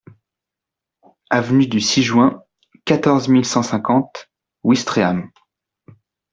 Avenue du six Juin, quatorze mille cent cinquante Ouistreham